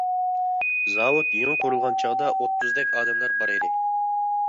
زاۋۇت يېڭى قۇرۇلغان چاغدا ئوتتۇزدەك ئادەملەر بار ئىدى.